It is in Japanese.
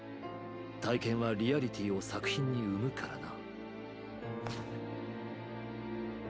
「体験はリアリティを作品に生む」からな。